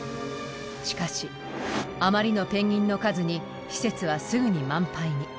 しかしあまりのペンギンの数に施設はすぐに満杯に。